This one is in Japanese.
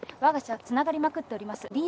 わが社はつながりまくっております。